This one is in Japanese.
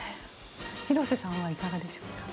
広瀬さんはいかがでしょうか。